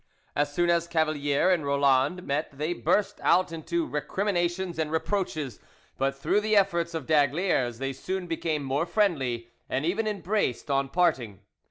As soon as Cavalier and Roland met they burst out into recriminations and reproaches, but through the efforts of d'Aygaliers they soon became more friendly, and even embraced on parting.